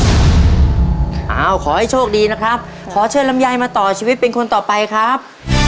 เอาขอให้โชคดีนะครับขอเชิญลำไยมาต่อชีวิตเป็นคนต่อไปครับ